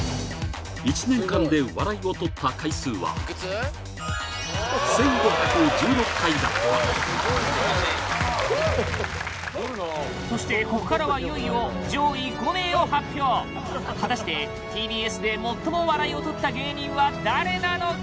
１年間で笑いを取った回数はそしてここからはいよいよ上位５名を発表果たしてＴＢＳで最も笑いを取った芸人は誰なのか？